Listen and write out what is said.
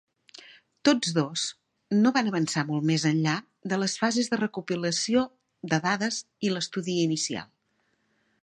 Tots dos no van avançar molt més enllà de les fases de recopilació de dades i estudi inicial.